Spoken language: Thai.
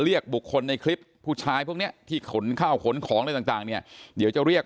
เรียกบุคคลในคลิปผู้ชายที่ขนเข้าขนของอะไรจะเรียก